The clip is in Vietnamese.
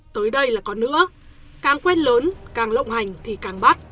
tới đây là còn nữa càng quen lớn càng lộng hành thì càng bắt